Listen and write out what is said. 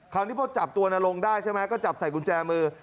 คราวนี้พอจับตัวนรงได้ใช่ไหมก็จับใส่กุญแจมือ